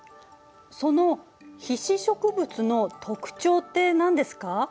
その被子植物の特徴って何ですか。